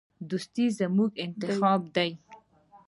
دوستي زموږ انتخاب دی.